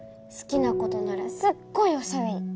すきなことならすっごいおしゃべり。